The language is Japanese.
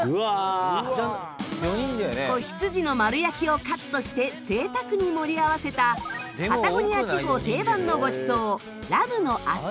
子羊の丸焼きをカットして贅沢に盛り合わせたパタゴニア地方定番のごちそうラムのアサード。